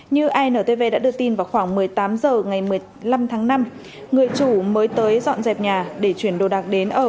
như intv đã đưa tin vào khoảng một mươi tám h ngày một mươi năm tháng năm người chủ mới tới dọn dẹp nhà để chuyển đồ đạc đến ở